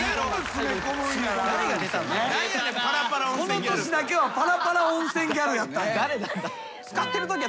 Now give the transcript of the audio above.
この年だけはパラパラ温泉ギャルやったんや。